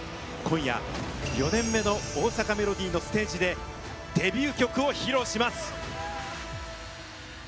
４年目の「大阪メロディー」のステージでデビュー曲を披露します。